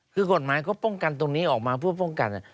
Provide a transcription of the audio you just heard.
คือกฎหมายเขาป้องกันตรงนี้ออกมาเพื่อป้องกัน